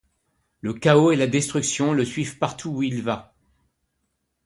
Le chaos et la destruction le suivent partout où il va.